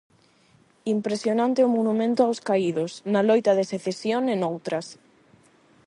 Impresionante o monumento aos caídos, na loita de secesión e noutras.